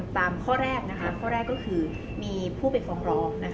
ตามข้อแรกนะคะข้อแรกก็คือมีผู้ไปฟ้องร้องนะคะว่า